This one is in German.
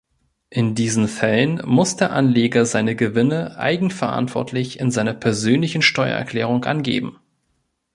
In diesen Fällen muss der Anleger seine Gewinne eigenverantwortlich in seiner persönlichen Steuererklärung angeben.